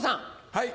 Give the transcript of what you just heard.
はい。